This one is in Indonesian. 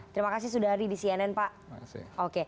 terima kasih sudah hari di cnn pak